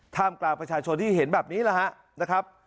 กลางประชาชนที่เห็นแบบนี้แหละฮะนะครับ